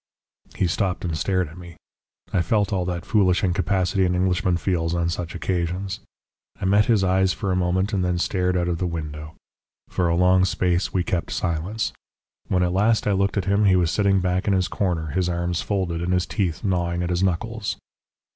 He stopped and stared at me. I felt all that foolish incapacity an Englishman feels on such occasions. I met his eyes for a moment, and then stared out of the window. For a long space we kept silence. When at last I looked at him he was sitting back in his corner, his arms folded, and his teeth gnawing at his knuckles.